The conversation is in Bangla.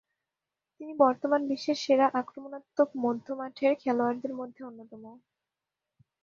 তিনি বর্তমানে বিশ্বের সেরা আক্রমণাত্মক মধ্যমাঠের খেলোয়াড়দের মধ্যে অন্যতম।